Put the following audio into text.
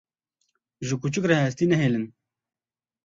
Ji kûçik re hestî nehêlin.